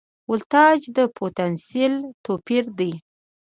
ولتاژ د پوتنسیال توپیر دی.